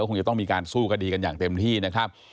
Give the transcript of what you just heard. คงจะต้องมีการสู้คดีกันอย่างเต็มที่นะครับ